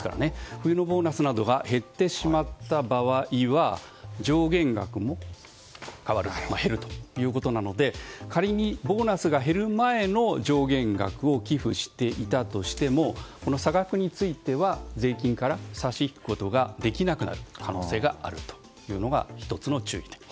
冬のボーナスなどが減ってしまった場合は上限額も変わる減るということなので仮にボーナスが減る前の上限額を寄付していたとしても差額については税金から差し引くことができなくなる可能性があるのが１つの注意点。